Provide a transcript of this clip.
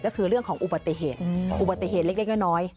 ก็คือเรื่องของอุบัติเหตุอุบัติเหตุเล็กน้อย